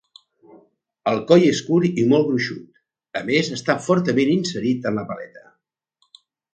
El coll és curt i molt gruixut, a més està fortament inserit en la paleta.